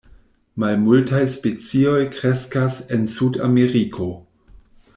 Malmultaj specioj kreskas en Sudameriko.